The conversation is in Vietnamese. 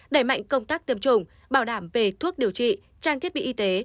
đẩy mạnh công tác tiêm chủng bảo đảm về thuốc điều trị trang thiết bị y tế